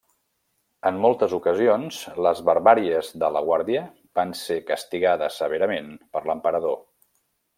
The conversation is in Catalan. En moltes ocasions, les barbàries de la guàrdia van ser castigades severament per l'emperador.